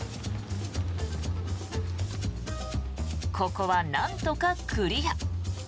ここはなんとかクリア。